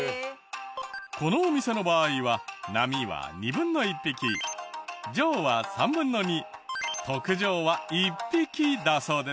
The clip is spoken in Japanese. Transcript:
このお店の場合は並は２分の１匹上は３分の２特上は１匹だそうですよ。